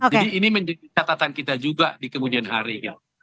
jadi ini menjadi catatan kita juga di kemudian hari